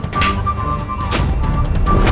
yang sudah ter heavens